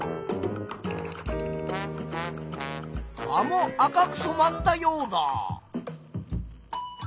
葉も赤くそまったヨウダ。